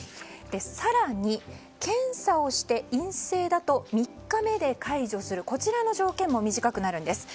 更に検査をして陰性だと３日目で解除するこちらの条件も短くなるんです。